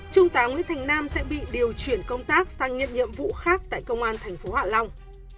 trung tá nguyễn thành nam sẽ bị điều chuyển công tác sang nhiệm nhiệm vụ khác tại công an tp hạ long